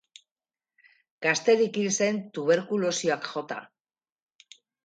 Gazterik hil zen tuberkulosiak jota.